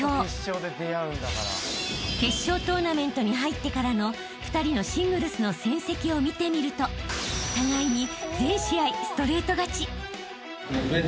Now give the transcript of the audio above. ［決勝トーナメントに入ってからの２人のシングルスの成績を見てみると互いに］